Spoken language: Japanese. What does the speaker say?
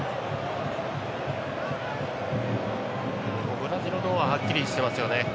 ブラジルのほうははっきりしてますよね